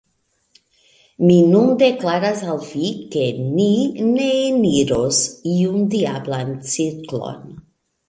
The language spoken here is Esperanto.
Mi nun deklaras al vi, ke ni ne eniros iun diablan cirklon.